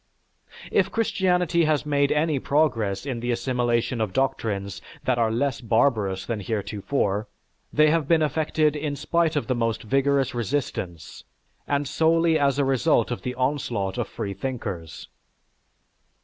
"_) If Christianity has made any progress in the assimilation of doctrines that are less barbarous than heretofore, they have been effected in spite of the most vigorous resistance, and solely as a result of the onslaught of freethinkers.